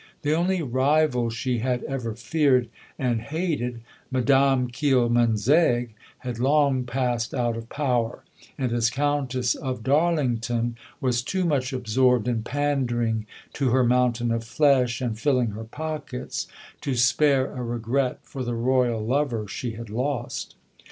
The only rival she had ever feared and hated Madame Kielmansegg, had long passed out of power, and as Countess of Darlington was too much absorbed in pandering to her mountain of flesh, and filling her pockets, to spare a regret for the Royal lover she had lost.